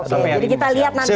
jadi kita lihat nanti